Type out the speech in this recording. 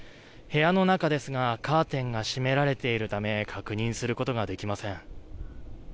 部屋の中ですがカーテンが閉められているため確認することはできません。